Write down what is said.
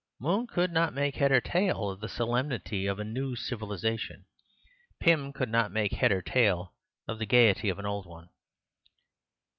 Moon could not make head or tail of the solemnity of a new civilization. Pym could not make head or tail of the gaiety of an old one.